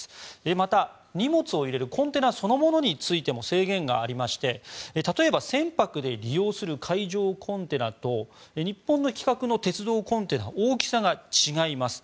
また、荷物を入れるコンテナそのものについても制限がありまして、例えば船舶で利用する海上コンテナと日本の規格の鉄道コンテナ大きさが違います。